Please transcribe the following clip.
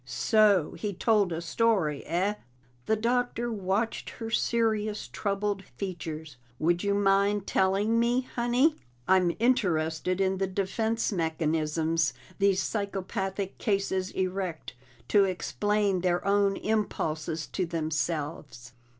"So he told a story, eh?" The Doctor watched her serious, troubled features. "Would you mind telling me, Honey? I'm interested in the defense mechanisms these psychopathic cases erect to explain their own impulses to themselves."